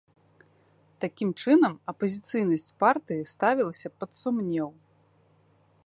Такім чынам апазіцыйнасць партыі ставілася пад сумнеў.